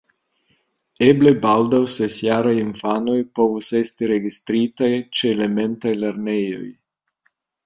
Eble baldaŭ ses-jaraj infanoj povos esti registritaj ĉe elementaj lernejoj.